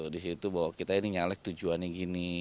di situ bahwa kita ini nyalek tujuannya gini